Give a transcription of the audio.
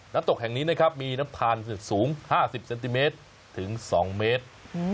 ตกแห่งนี้นะครับมีน้ำทานสูง๕๐เซนติเมตรถึง๒เมตร